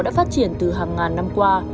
đã phát triển từ hàng ngàn năm qua